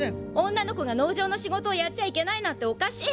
女の子が農場の仕事をやっちゃいけないなんておかしい！